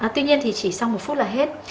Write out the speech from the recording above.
tuy nhiên thì chỉ sau một phút là hết